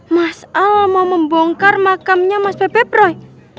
mas al mau membongkar makamnya mas bebe broi